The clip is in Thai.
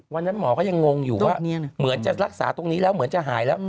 วันนั้นหมอก็ยังงงอยู่ว่าเหมือนจะรักษาตรงนี้แล้วเหมือนจะหายแล้ว